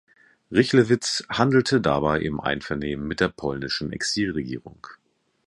Rychlewicz handelte dabei im Einvernehmen mit der polnischen Exilregierung.